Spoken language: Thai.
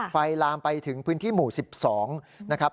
ลามไปถึงพื้นที่หมู่๑๒นะครับ